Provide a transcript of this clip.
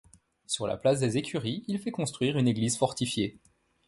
Sur la place des Écuries, il fait construire une église fortifiée.